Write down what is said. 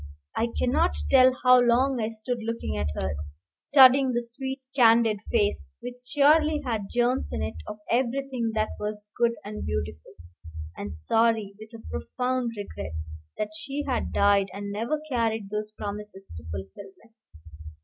I cannot tell how long I stood looking at her, studying the candid, sweet face, which surely had germs in it of everything that was good and beautiful; and sorry, with a profound regret, that she had died and never carried these promises to fulfillment.